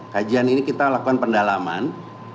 kajian ini kita lakukan pendalaman